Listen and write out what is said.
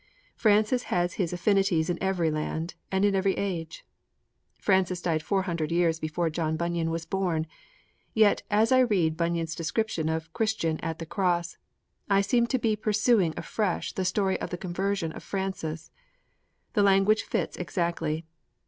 Francis has his affinities in every land and in every age. Francis died four hundred years before John Bunyan was born; yet, as I read Bunyan's description of Christian at the Cross, I seem to be perusing afresh the story of the conversion of Francis. The language fits exactly.